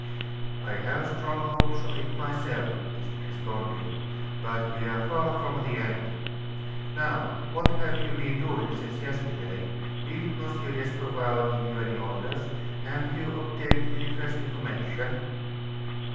"I have strong hopes of it myself," he responded; "but we are far from the end. Now, what have you been doing since yesterday? Did M. d'Escorval give you any orders? Have you obtained any fresh information?"